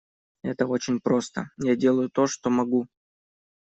Это очень просто: я делаю то, что могу.